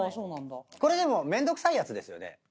これめんどくさいやつですよね。